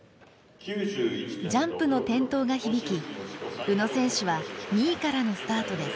ジャンプの転倒が響き宇野選手は２位からのスタートです。